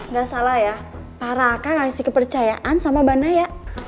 gak salah ya pak raka ngasih kepercayaan sama mbak naya